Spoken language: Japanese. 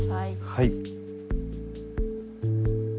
はい。